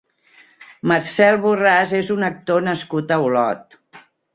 Marcel Borràs és un actor nascut a Olot.